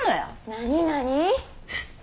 何何？